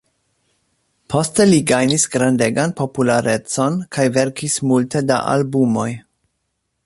Poste li gajnis grandegan popularecon kaj verkis multe da albumoj.